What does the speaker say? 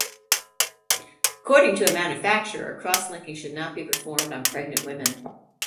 According to a manufacturer crosslinking should not be performed on pregnant women.